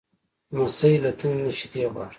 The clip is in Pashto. لمسی له تندې نه شیدې غواړي.